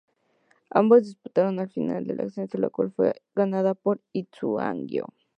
Ambos disputaron la final por el ascenso, la cual fue ganada por Ituzaingó.